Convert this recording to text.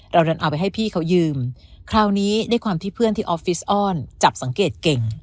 ดันเอาไปให้พี่เขายืมคราวนี้ด้วยความที่เพื่อนที่ออฟฟิศออนจับสังเกตเก่ง